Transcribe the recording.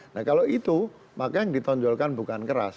nah kalau itu maka yang ditonjolkan bukan keras